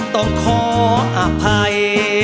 ต้องขออภัย